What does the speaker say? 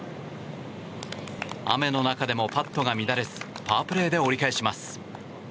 雨の中でもパットが乱れずパープレーで折り返します。